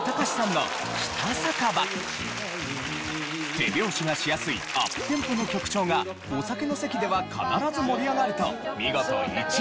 手拍子がしやすいアップテンポの曲調がお酒の席では必ず盛り上がると見事１位にランクイン。